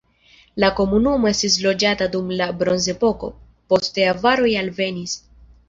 La komunumo estis loĝata dum la bronzepoko, poste avaroj alvenis.